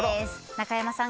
中山さん